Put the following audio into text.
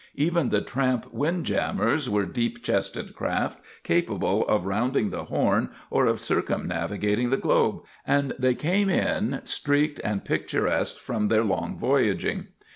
Even the tramp windjammers were deep chested craft, capable of rounding the Horn or of circumnavigating the globe; and they came in streaked and picturesque from their long voyaging.